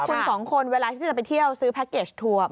คุณสองคนเวลาที่จะไปเที่ยวซื้อแพ็คเกจทัวร์